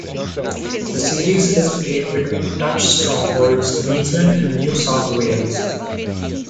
The series is played between Touch strongholds Queensland and New South Wales.